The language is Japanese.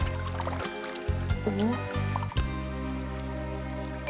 あっ。